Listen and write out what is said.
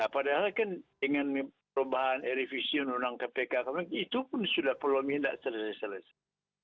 padahal kan dengan perubahan eurovision undang kpk itu pun sudah polemiknya tidak selesai selesai